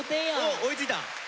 追いついた！